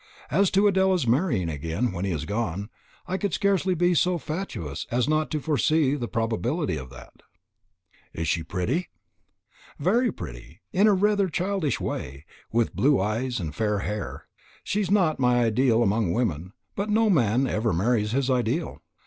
As to Adela's marrying again when he is gone, he could scarcely be so fatuous as not to foresee the probability of that." "Is she pretty?" "Very pretty, in rather a childish way, with blue eyes and fair hair. She is not my ideal among women, but no man ever marries his ideal.